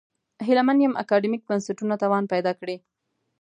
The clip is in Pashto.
هیله من یم اکاډمیک بنسټونه توان پیدا کړي.